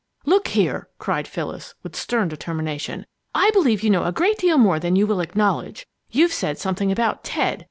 "Look here!" cried Phyllis, with stern determination, "I believe you know a great deal more than you will acknowledge. You've said something about 'Ted.'